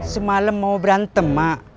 semalam mau berantem mak